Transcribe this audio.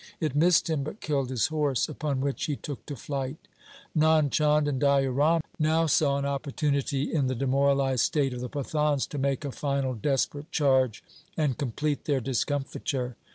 It missed him but killed his horse, upon which he took to flight. Nand Chand and Daya Ram now saw an opportunity in the demoralized state of the Pathans to make a final desperate charge and complete their discomfiture.